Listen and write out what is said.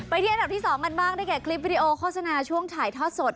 ที่อันดับที่๒กันบ้างได้แก่คลิปวิดีโอโฆษณาช่วงถ่ายทอดสด